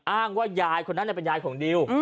อ้างว่ายายคนนั้นเป็นยายของดิว